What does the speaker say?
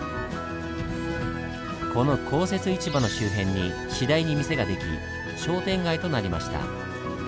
この公設市場の周辺に次第に店が出来商店街となりました。